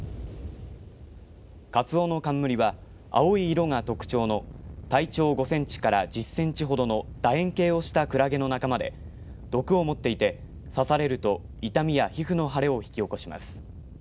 カツオノカンムリは青い色が特徴の体長５センチから１０センチほどのだ円形をしたクラゲの仲間で毒を持っていて刺されると痛みや皮膚の腫れを引き起こします。